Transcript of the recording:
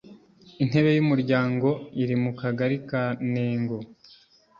intebe y umuryango iri mu kagari ka nengo